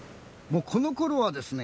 このころはですね